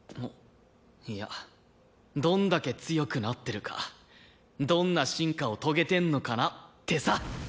いやどんだけ強くなってるかどんな進化を遂げてんのかなってさ！